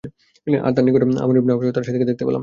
আর তার নিকট আমরা আমর ইবনে আস ও তার সাথীকে দেখতে পেলাম।